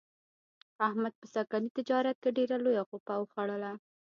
احمد په سږني تجارت کې ډېره لویه غوپه و خوړله.